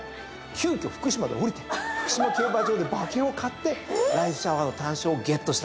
急きょ福島で降りて福島競馬場で馬券を買ってライスシャワーの単勝をゲットしたんです。